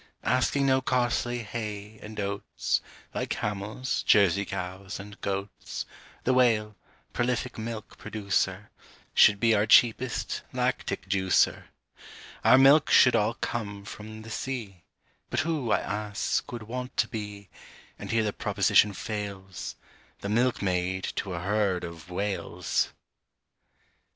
Asking no costly hay and oats, Like camels, Jersey cows, and goats, The Whale, prolific milk producer, Should be our cheapest lactic juicer. Our milk should all come from the sea, But who, I ask, would want to be, And here the proposition fails, The milkmaid to a herd of Whales?